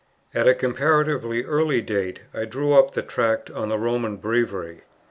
At a comparatively early date I drew up the Tract on the Roman Breviary.